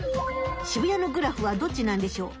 渋谷のグラフはどっちなんでしょう。